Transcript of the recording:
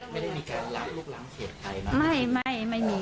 ไม่ได้มีการหลายลูกหลังเขตใครมาไม่ไม่ไม่มีค่ะไม่มี